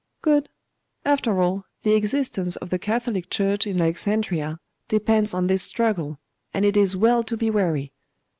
'Good. After all, the existence of the Catholic Church in Alexandria depends on this struggle, and it is well to be wary.